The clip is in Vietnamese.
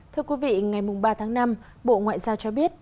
thưa quý vị ngày ba tháng năm bộ ngoại giao cho biết